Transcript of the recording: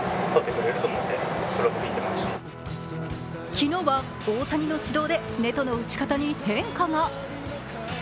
昨日は大谷の指導でネトの打ち方に変化が。